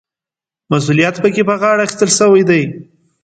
مسوولیت پکې په غاړه اخیستل شوی وي.